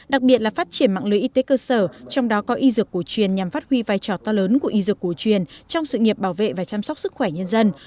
đặc biệt là phát triển mạng lưới y tế cơ sở trong đó có y dược cổ truyền nhằm phát huy vai trò to lớn của y dược cổ truyền trong sự nghiệp bảo vệ và chăm sóc sức khỏe nhân dân